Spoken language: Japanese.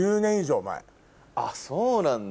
そうなんだ